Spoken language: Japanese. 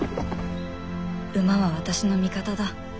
馬は私の味方だ。